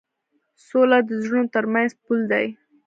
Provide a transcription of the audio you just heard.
سوله د زړونو تر منځ پُل دی.